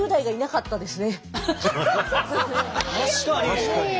確かに。